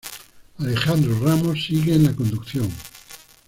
Alejandro Ramos sigue en la conducción.